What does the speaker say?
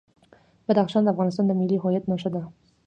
بدخشان د افغانستان د ملي هویت نښه ده.